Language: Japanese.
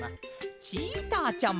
チーターちゃま！